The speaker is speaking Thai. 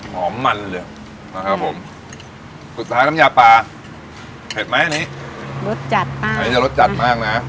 หอมมันเลยนะครับผมสุดท้ายน้ำยาปลาเผ็ดไหมอันนี้รสจัดมากอันนี้จะรสจัดมากนะ